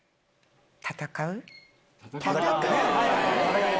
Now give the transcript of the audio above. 戦う？